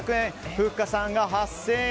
ふっかさんが８０００円